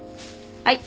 はい。